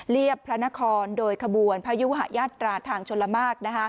เรียบพระนครโดยขบวนพยุหยาตราทางชนมาร์ค